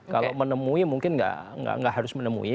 kalau menemui mungkin nggak harus menemui